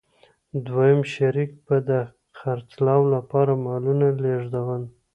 دویم شریک به د خرڅلاو لپاره مالونه لېږدول